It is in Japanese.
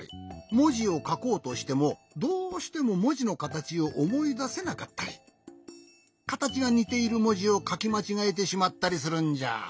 もじをかこうとしてもどうしてももじのかたちをおもいだせなかったりかたちがにているもじをかきまちがえてしまったりするんじゃ。